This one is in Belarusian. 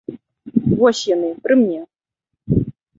Вось яны, пры мне.